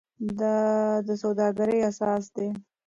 دا د سوداګرۍ اساس دی.